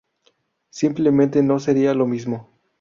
Simplemente no sería lo mismo".